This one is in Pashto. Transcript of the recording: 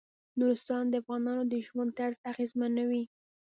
نورستان د افغانانو د ژوند طرز اغېزمنوي.